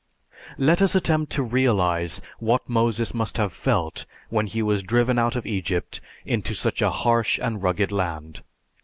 Let us attempt to realize what Moses must have felt when he was driven out of Egypt into such a harsh and rugged land.